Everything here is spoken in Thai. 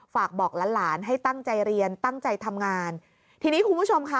ฝากบอกหลานหลานให้ตั้งใจเรียนตั้งใจทำงานทีนี้คุณผู้ชมค่ะ